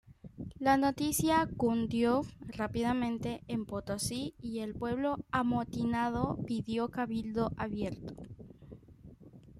La noticia cundió rápidamente en Potosí y el pueblo amotinado pidió cabildo abierto.